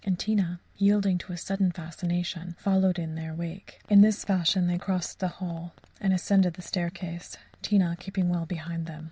And Tina, yielding to a sudden fascination, followed in their wake. In this fashion they crossed the hall and ascended the staircase, Tina keeping well behind them.